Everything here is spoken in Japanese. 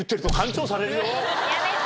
やめて。